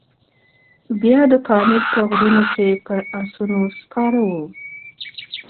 بیا د پامیر په غرونو کې پر آسونو سپاره وو.